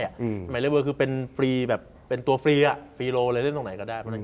หมายเลเวอร์คือเป็นตัวฟรีเล่นตรงไหนก็ได้